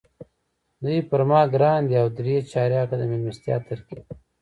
دوی پر ما ګران دي او درې چارکه د میلمستیا ترکیب وو.